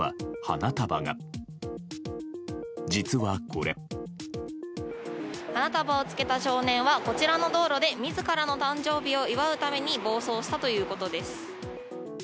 花束をつけた少年はこちらの道路で自らの誕生日を祝うために暴走したということです。